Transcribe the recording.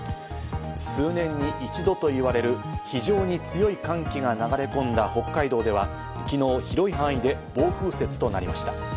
数年に一度といわれる非常に強い寒気が流れ込んだ北海道では、昨日、広い範囲で暴風雪となりました。